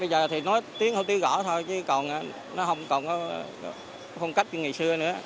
bây giờ thì nói tiếng hủ tiếu gõ thôi chứ còn không có phong cách như ngày xưa nữa